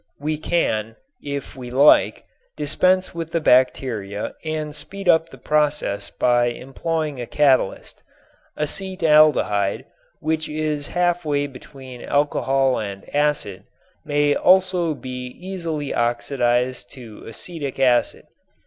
We can, if we like, dispense with the bacteria and speed up the process by employing a catalyst. Acetaldehyde, which is halfway between alcohol and acid, may also be easily oxidized to acetic acid.